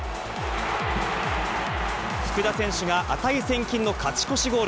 福田選手が値千金の勝ち越しゴール。